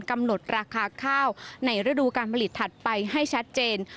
กำหนดราคาข้าวในฤดูการผลิตถัดไปให้ชัดเจน